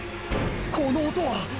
この音は。